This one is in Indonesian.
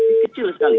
ini kecil sekali